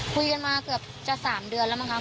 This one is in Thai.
คุยกันมาเกือบจะ๓เดือนแล้วมั้งครับ